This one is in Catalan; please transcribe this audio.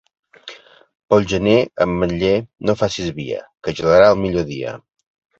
Pel gener, ametller, no facis via, que gelarà el millor dia.